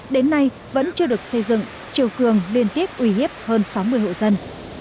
đến nay vẫn chưa được xây dựng chiều cường liên tiếp uy hiếp hơn sáu mươi hộ dân